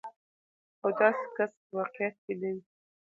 او داسې کس په واقعيت کې نه وي.